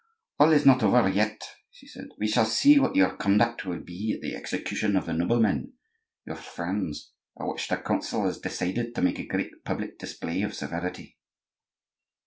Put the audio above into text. "All is not over yet," she said. "We shall see what your conduct will be at the execution of the noblemen, your friends, at which the Council has decided to make a great public display of severity."